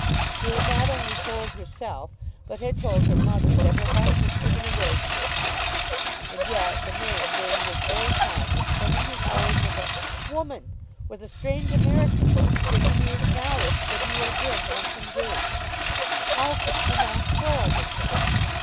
She had not only told herself, but had told her mother, that her heart was given away to this man; and yet the man during this very time was spending his hours with a woman, with a strange American woman, to whom he acknowledged that he had been once engaged. How could she not quarrel with him?